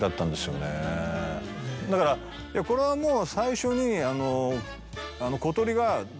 だからこれはもう。